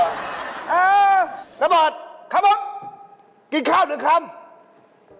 ระเบิดครับผมกินข้าวหนึ่งคำ